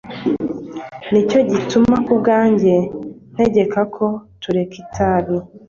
Ni cyo gitumye ku bwanjye ntegeka ko tureka itabi.